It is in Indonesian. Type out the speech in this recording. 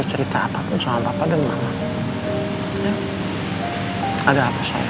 cari tau aja